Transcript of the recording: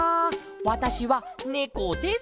わたしはねこです」。